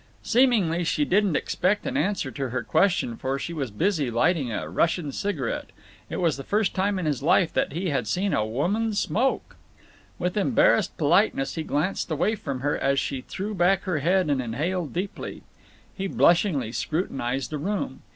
Seemingly she didn't expect an answer to her question, for she was busy lighting a Russian cigarette. It was the first time in his life that he had seen a woman smoke. With embarrassed politeness he glanced away from her as she threw back her head and inhaled deeply. He blushingly scrutinized the room.